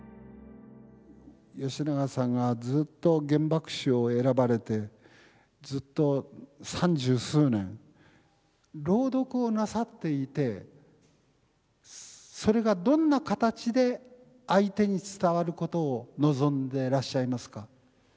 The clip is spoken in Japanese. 吉永さんがずっと原爆詩を選ばれてずっと三十数年朗読をなさっていてそれがどんな形で相手に伝わることを望んでいらっしゃいますか。